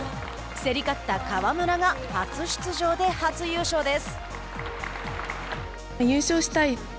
競り勝った川村が初出場で初優勝です。